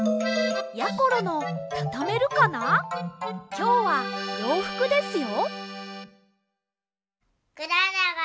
きょうはようふくですよ。